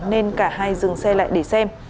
nên cả hai dừng xe lại để xem